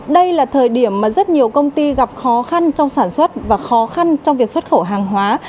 đây là thời điểm mà rất nhiều công ty gặp khó khăn trong sản xuất và khó khăn trong việc xuất khẩu hàng hóa